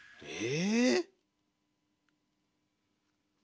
え？